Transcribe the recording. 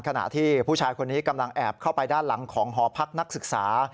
ขณะที่ผู้ชายคนนี้กำลังแอบเข้าไปด้านหลังของหอพักนักศึกษา